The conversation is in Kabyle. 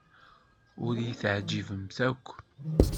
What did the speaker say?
Ur iyi-teɛjibem akk.